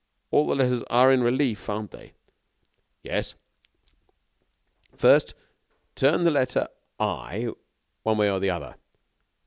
All the letters are in relief, aren't they?" "Yes." "First, turn the letter I one way or the other."